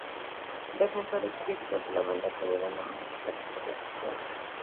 Defensores y críticos de la banda acudieron a manifestarse por la sentencia.